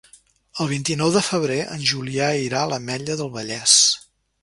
El vint-i-nou de febrer en Julià irà a l'Ametlla del Vallès.